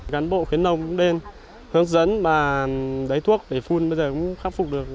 gắn bộ khuyến lông bên hướng dẫn và đáy thuốc để phun bây giờ cũng khắc phục được